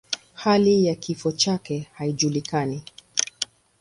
Hali ya kifo chake haijulikani.